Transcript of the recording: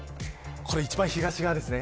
一番、東側です。